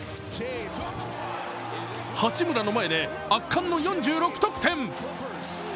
八村の前で圧巻の４６得点。